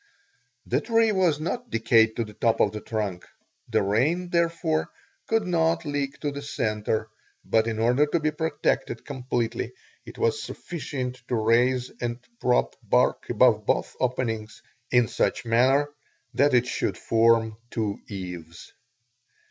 The tree was not decayed to the top of the trunk; the rain, therefore, could not leak to the center, but in order to be protected completely, it was sufficient to raise and prop bark above both openings in such manner that it should form two eaves.